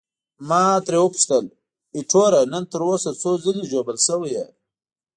ما ترې وپوښتل: ایټوره، تر اوسه څو ځلي ژوبل شوی یې؟